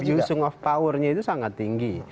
ada abusing of powernya itu sangat tinggi